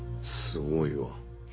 すごいわ。